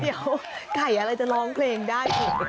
เดี๋ยวไก่อะไรจะร้องเพลงได้อีก